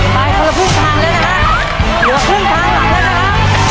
ตายคนละผู้ทางแล้วนะครับ